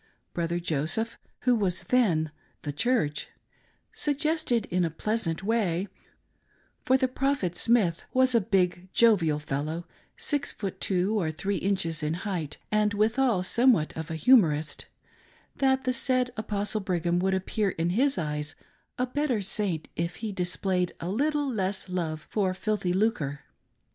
Brother Joseph who was then " the Church " suggested in a pleasant way^or the Prophet Smith was a big, jovial fellow, six feet two or three inches in height, and withal somewhat of a humorist — that the said Apostle Brigham would appear in his eyes a better Saint if he displayed a little less love for filthy lucre.